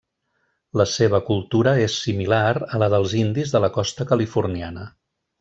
La seva cultura és similar a la dels indis de la costa californiana.